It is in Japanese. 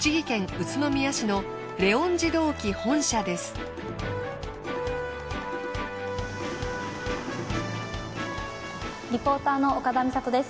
訪ねたのはリポーターの岡田美里です。